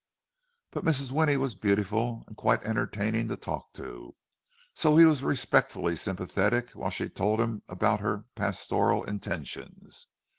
But Mrs. Winnie was beautiful, and quite entertaining to talk to, and so he was respectfully sympathetic while she told him about her pastoral intentions.